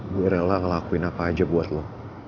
gue rela ngelakuin apa aja buat lo